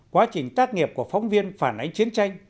quá trình tác nghiệp của phóng viên phản ánh chiến tranh